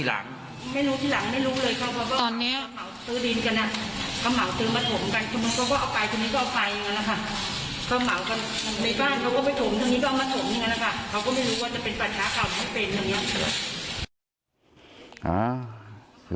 ตอนนี้